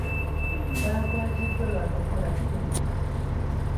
Baakwatiddwa lwa kukola ffujjo.